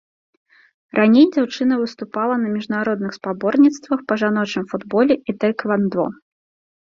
Раней дзяўчына выступала на міжнародных спаборніцтвах па жаночым футболе і таэквандо.